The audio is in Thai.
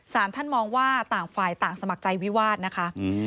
ท่านมองว่าต่างฝ่ายต่างสมัครใจวิวาสนะคะ